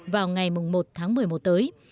vào ngày một tháng một mươi một tới